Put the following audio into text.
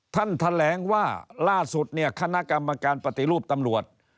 ท่านแถลงว่าล่าสุดเนี่ยคณะกรรมการปฏิรูปตำรวจ